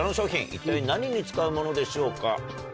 一体何に使うものでしょうか？